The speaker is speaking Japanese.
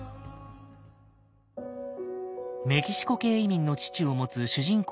メキシコ系移民の父を持つ主人公